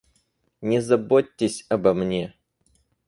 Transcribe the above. Не заботьтесь обо мне.